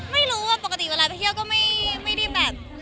ไม่รู้ปกติเวลาไปเที่ยวก็ไม่ได้แบบ